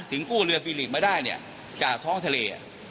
กู้เรือฟิลิกมาได้เนี่ยจากท้องทะเล